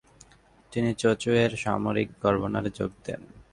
তিনি চুচৌয়ের সামরিক গভর্নরে যোগ দেন।